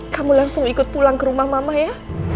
kamu langsung ikut pulang ke rumah mama ya